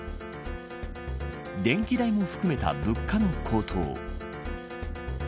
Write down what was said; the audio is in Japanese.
電気代も含めた物価の高騰。